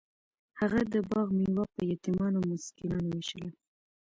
هغه د باغ میوه په یتیمانو او مسکینانو ویشله.